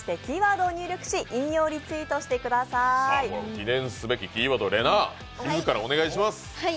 記念すべきキーワードれなぁ自らお願いします。